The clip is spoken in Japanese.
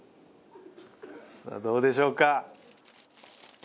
さあどうでしょうか？